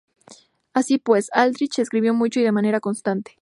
Así pues, Aldrich escribió mucho y de manera constante.